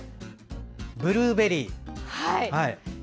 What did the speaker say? ブルーベリー。